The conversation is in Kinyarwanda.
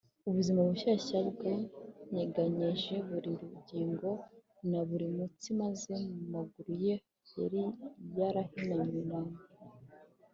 . Ubuzima bushyashya bwanyeganyeje buri rugingo na buri mutsi, maze mu maguru ye yari yarahinamiranye